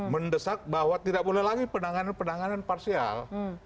mendesak bahwa tidak boleh lagi penanganan penanganan parsial